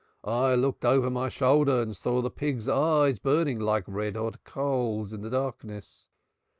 I looked over my shoulder and saw the pig's eyes burning like red hot coals in the darkness.